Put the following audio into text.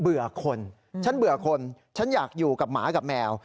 เบื่อคนฉันเบื่อคนฉันอยากอยู่กับหมากับแมว